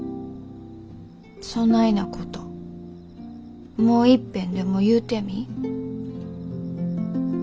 そないなこともういっぺんでも言うてみ。